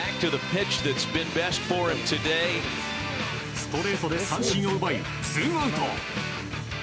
ストレートで三振を奪いツーアウト。